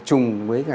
trùng với cả